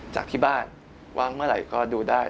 จากที่บ้านวางเมื่อไหร่ก็ดูได้